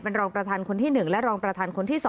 รองประธานคนที่๑และรองประธานคนที่๒